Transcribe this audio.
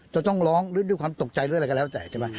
จะต้องร้องหรือด้วยความตกใจหรืออะไรก็แล้วแต่ใช่ไหม